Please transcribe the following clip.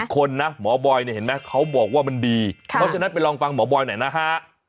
คนนะหมอบอยเนี่ยเห็นไหมเขาบอกว่ามันดีเพราะฉะนั้นไปลองฟังหมอบอยหน่อยนะฮะ